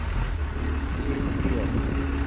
ٻلي ستي هي.